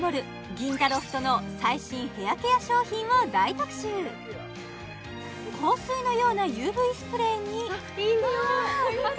銀座ロフトの最新ヘアケア商品を大特集香水のようなＵＶスプレーにすごい！